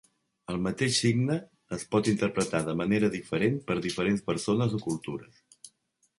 El mateix signe es pot interpretar de manera diferent per diferents persones o cultures.